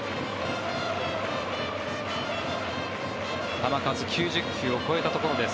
球数９０球を超えたところです。